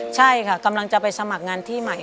ใช่ค่ะกำลังจะไปสมัครงานที่ใหม่